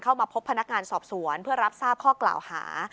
พบพนักงานสอบสวนเพื่อรับทราบข้อกล่าวหา